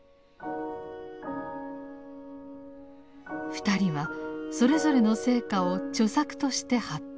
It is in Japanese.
二人はそれぞれの成果を著作として発表。